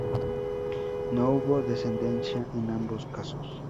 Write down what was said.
No hubo descendencia en ambos casos.